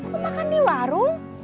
mau makan di warung